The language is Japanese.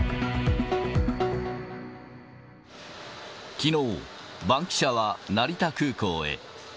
きのう、バンキシャは成田空港へ。